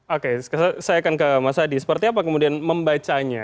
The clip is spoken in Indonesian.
oke saya akan ke mas adi seperti apa kemudian membacanya